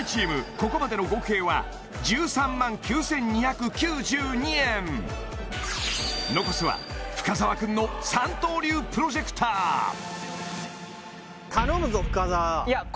ここまでの合計は１３万９２９２円残すは深澤くんの３刀流プロジェクターいや